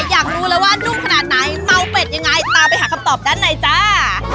อยากรู้แล้วว่านุ่มขนาดไหนเมาเป็ดยังไงตามไปหาคำตอบด้านในจ้า